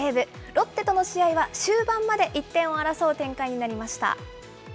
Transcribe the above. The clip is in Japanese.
ロッテとの試合は終盤まで１点を争う展開になりました。